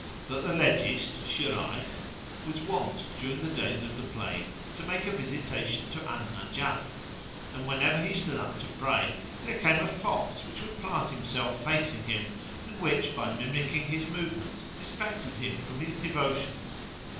that the legist Shurayh [FN#491] was wont, during the days of the plague, to make a visitation to Al Najaf; and, whenever he stood up to pray, there came a fox which would plant himself facing him and which, by mimicking his movements, distracted him from his devotions.